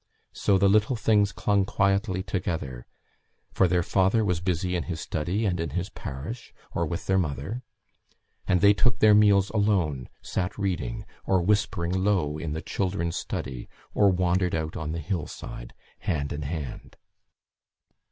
So the little things clung quietly together, for their father was busy in his study and in his parish, or with their mother, and they took their meals alone; sat reading, or whispering low, in the "children's study," or wandered out on the hill side, hand in hand.